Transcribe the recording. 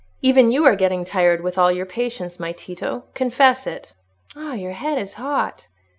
Even you are getting tired, with all your patience, my Tito; confess it. Ah, your head is hot."